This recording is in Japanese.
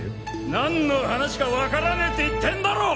何の話かわからねえって言ってんだろ！